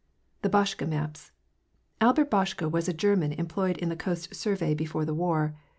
The Boschke Maps.—Albert Boschke was a German employed in the Coast Survey before the war.